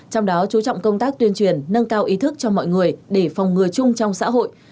trong đó chú trọng công tác tuyên truyền nâng cao ý thức cho mọi người để phòng ngừa chung trong xã hội